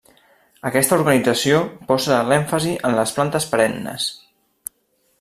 Aquesta organització posa l'èmfasi en les plantes perennes.